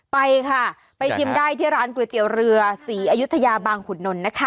ไปค่ะไปชิมได้ที่ร้านก๋วยเตี๋ยวเรือศรีอยุธยาบางขุนนท์นะคะ